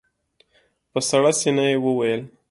په سړه سينه يې وويل.